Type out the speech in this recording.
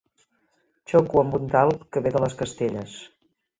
Xoco amb un talp que ve de les Castelles.